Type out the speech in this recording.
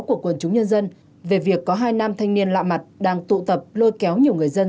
của quần chúng nhân dân về việc có hai nam thanh niên lạ mặt đang tụ tập lôi kéo nhiều người dân